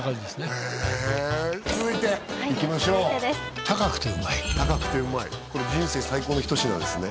へえ続いていきましょうはい続いてです高くてうまい高くてうまいこれ人生最高の一品ですね